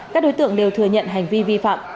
các đối tượng đều thừa nhận hành vi vi phạm